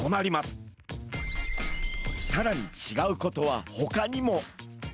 さらにちがうことはほかにも！